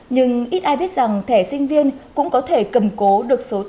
nhưng ít ai biết rằng thẻ sinh viên có thể dùng thẻ đó để phục vụ việc học tập của mình